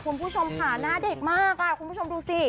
คุณผู้ชมค่ะหน้าเด็กมากคุณผู้ชมดูสิ